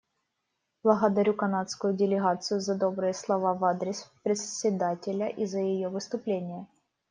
Благодарю канадскую делегацию за добрые слова в адрес Председателя и за ее выступление.